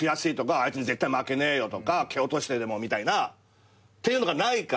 あいつに絶対負けねえよとか蹴落としてでもみたいな。っていうのがないから。